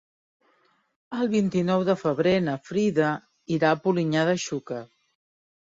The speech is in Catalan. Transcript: El vint-i-nou de febrer na Frida irà a Polinyà de Xúquer.